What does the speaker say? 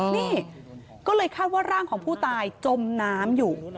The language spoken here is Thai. นี่ก็เลยคาดว่าร่างของผู้ตายจมน้ำอยู่